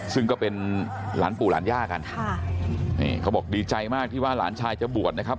ซึ่งก็เป็นหลานปู่หลานย่ากันค่ะนี่เขาบอกดีใจมากที่ว่าหลานชายจะบวชนะครับ